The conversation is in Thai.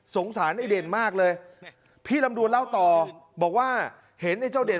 สารไอ้เด่นมากเลยพี่ลำดวนเล่าต่อบอกว่าเห็นไอ้เจ้าเด่น